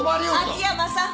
秋山さん。